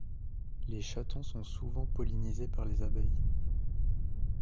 Les chatons sont souvent pollinisés par les abeilles.